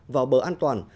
vào bờ an toàn